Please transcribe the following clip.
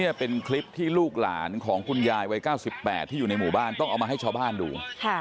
นี่เป็นคลิปที่ลูกหลานของคุณยายวัย๙๘ที่อยู่ในหมู่บ้านต้องเอามาให้ชาวบ้านดู